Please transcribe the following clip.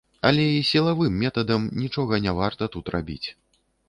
Але і сілавым метадам нічога не варта тут рабіць.